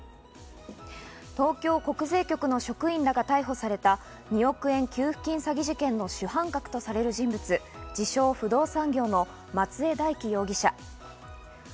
東京国税局の職員らが逮捕された２億円給付金詐欺事件の主犯格とされる人物、自称不動産業の松江大樹容疑者。